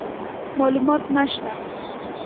معلومات نشته،